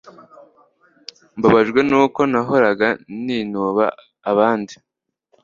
mbabajwe nuko nahoraga ninuba abandi